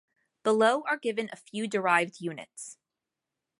Below are given a few derived units.